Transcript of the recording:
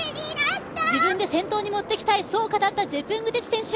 自分で先頭にもっていきたい、そう語ったジェプングティチ選手。